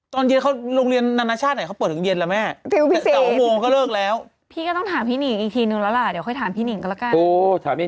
ตอนเย็นโรงเรียนนานะชาติเมื่อไหนเขาเปิดถึงเย็นแม่